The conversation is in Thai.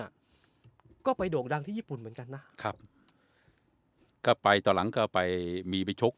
ก็ไปโด่งดังที่ญี่ปุ่นเหมือนกันนะครับก็ไปตอนหลังก็ไปมีไปชก